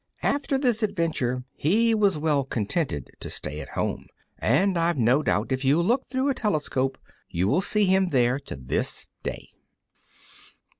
After this adventure he was well contented to stay at home; and I've no doubt if you look through a telescope you will see him there to this day.